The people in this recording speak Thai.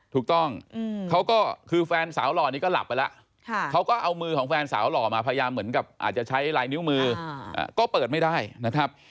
ถูกต้องเขาก็คือแฟนสาวหล่อนี้ก็หลับไปแล้วเขาก็เอามือของแฟนสาวหล่อมาพยายามเหมือนกับอาจจะใช้ลายนิ้วมือก็เปิดไม่ได้นะครับ